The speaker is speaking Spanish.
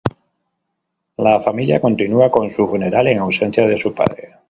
La familia continúa con su funeral en ausencia de su padre.